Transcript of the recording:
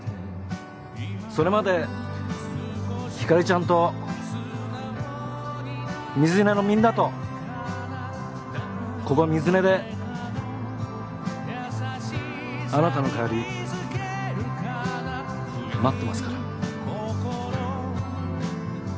それまでひかりちゃんと水根のみんなとここ水根であなたの帰り待ってますから。